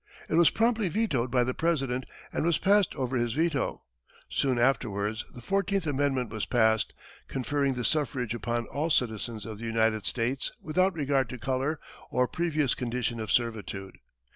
It was promptly vetoed by the President, and was passed over his veto; soon afterwards the fourteenth amendment was passed, conferring the suffrage upon all citizens of the United States without regard to color or previous condition of servitude.